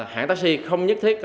hãng taxi không nhất thiết